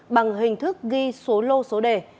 bằng hình thức ghi số lô số đề